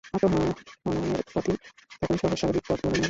আত্মহননের পথই তখন সহজ-স্বাভাবিক পথ বলে মনে হয়।